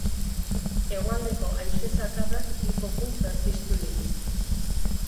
Hegoaldeko haize zakarrak bi foku berpiztu ditu.